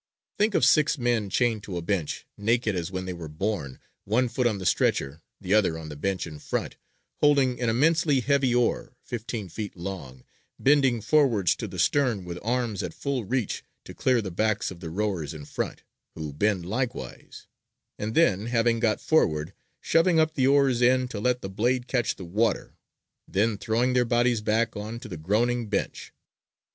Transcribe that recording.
"Think of six men chained to a bench, naked as when they were born, one foot on the stretcher, the other on the bench in front, holding an immensely heavy oar [fifteen feet long], bending forwards to the stern with arms at full reach to clear the backs of the rowers in front, who bend likewise; and then having got forward, shoving up the oar's end to let the blade catch the water, then throwing their bodies back on to the groaning bench.